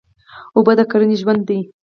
اوبه د کرنې ژوند دی.